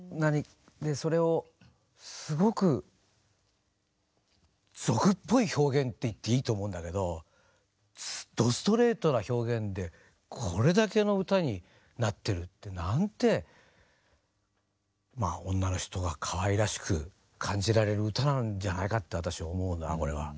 それをすごく俗っぽい表現って言っていいと思うんだけどどストレートな表現でこれだけの歌になってるってなんてまあ女の人がかわいらしく感じられる歌なんじゃないかって私は思うなこれは。